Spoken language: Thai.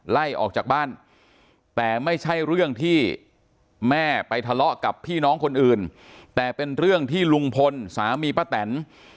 ไล่ออกจากบ้านแต่ไม่ใช่เรื่องที่แม่ไปทะเลาะกับพี่น้องคนอื่นแต่เป็นเรื่องที่ลุงพลสามีป้าแตน